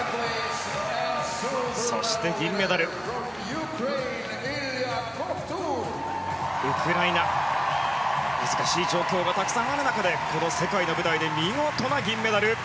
そして、銀メダルウクライナ、難しい状況がたくさんある中でこの世界の舞台で見事な銀メダル。